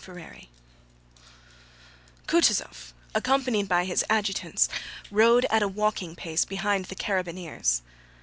CHAPTER XVI Kutúzov accompanied by his adjutants rode at a walking pace behind the carabineers.